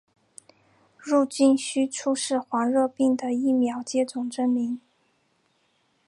入境须出示黄热病的疫苗接种证明。